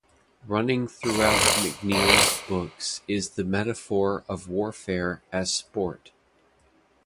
Running throughout McNeile's books is the metaphor of warfare as sport.